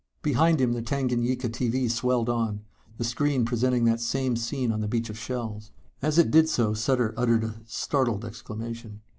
Behind him the Tanganyika TV swelled on, the screen presenting that same scene of the beach of shells. As it did so Sutter uttered a startled exclamation.